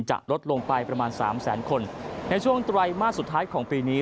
จะลดลงไปประมาณสามแสนคนในช่วงไตรมาสสุดท้ายของปีนี้